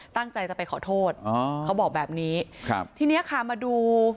ตั้งใจจะไปขอโทษอ๋อเขาบอกแบบนี้ครับทีเนี้ยค่ะมาดู